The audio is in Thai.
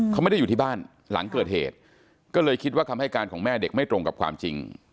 เขาไม่ได้อยู่ที่บ้านหลังเกิดเหตุก็เลยคิดว่าคำให้การของแม่เด็กไม่ตรงกับความจริง